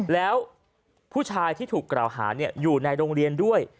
แล้วผู้ชายที่ถูกกล่าวหาอยู่ในโรงเรียนด้วย